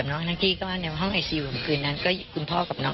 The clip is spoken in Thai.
ไปเข้าไปเร่งน้อง